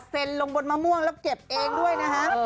ลงบนมะม่วงแล้วเก็บเองด้วยนะฮะ